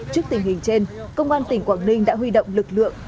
trước tình hình trên công an tỉnh quảng ninh đã huy động lực lượng